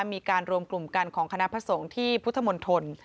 มีการรวมกลุ่มกันของคณะทศพพุทธมนตร